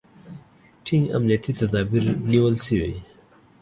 ټینګ امنیتي تدابیر نیول شوي.